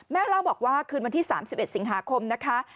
เล่าบอกว่าคืนวันที่๓๑สิงหาคมนะคะ